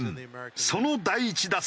その第１打席。